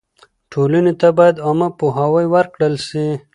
ټولنې ته باید عامه پوهاوی ورکړل سي.